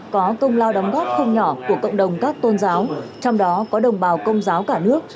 có công lao đóng góp không nhỏ của cộng đồng các tôn giáo trong đó có đồng bào công giáo cả nước